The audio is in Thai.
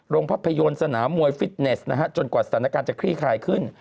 ภาพยนตร์สนามมวยฟิตเนสนะฮะจนกว่าสถานการณ์จะคลี่คลายขึ้น